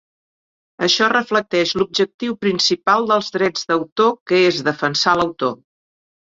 Això reflecteix l'objectiu principal dels drets d'autor que és defensar l'autor.